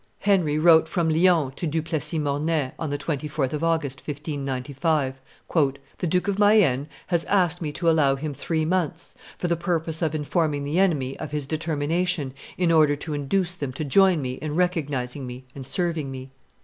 Henry wrote from Lyons to Du Plessis Mornay, on the 24th of August, 1595, "The Duke of Mayenne has asked me to allow him three months for the purpose of informing the enemy of his determination in order to induce them to join him in recognizing me and serving me.